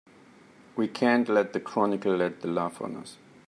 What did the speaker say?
We can't let the Chronicle get the laugh on us!